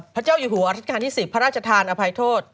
พัชเจ้าญูหัวอธิษฐานที่๑๐พระราชธานอภัยโทษ